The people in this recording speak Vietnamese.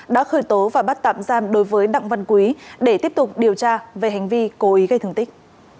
đã khởi tố và bắt tạm giam đối với đặng văn quý để tiếp tục điều tra về hành vi cố ý gây thương tích